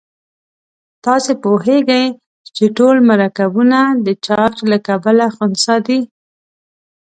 تاسې پوهیږئ چې ټول مرکبونه د چارج له کبله خنثی دي.